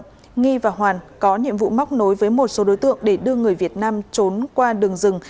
nguyễn và hoàn có nhiệm vụ móc nối với một số đối tượng để đưa người việt nam trốn qua đường rừng